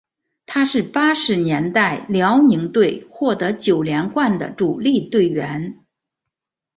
他是八十年代辽宁队获得九连冠的主力队员。